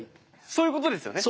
そういうことですよね？